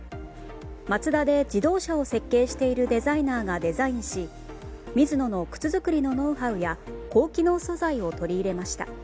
マツダで自動車を設計しているデザイナーがデザインしミズノの靴作りのノウハウや高機能素材を取り入れました。